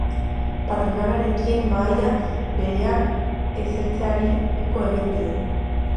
Patronalarekin mahai berean esertzeari uko egin dio.